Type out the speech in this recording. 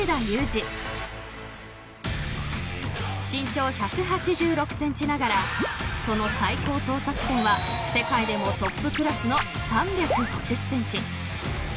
［身長１８６ｃｍながらその最高到達点は世界でもトップクラスの］